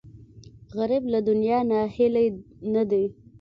غریب له دنیا ناهیلی نه دی